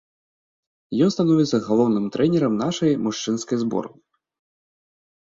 Ён становіцца галоўным трэнерам нашай мужчынскай зборнай.